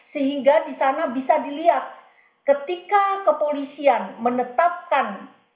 sehingga di sana bisa dilihat ketika kepolisian menetapkan